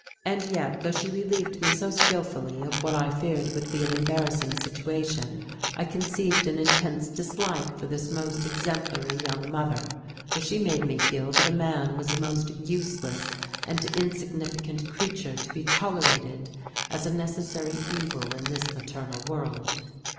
And yet, though she relieved me so skilfully of what I feared would be an embarrassing situation, I conceived an intense dislike for this most exemplary young mother, for she made me feel that a man was a most useless and insignificant creature to be tolerated as a necessary evil in this maternal world.